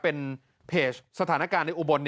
เป็นเพจสถานการณ์ในอุบล